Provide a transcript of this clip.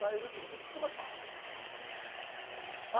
知っていました。